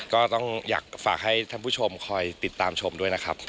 ก็ต้องอยากฝากให้ท่านผู้ชมคอยติดตามชมด้วยนะครับ